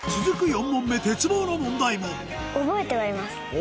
４問目鉄棒の問題もおぉ。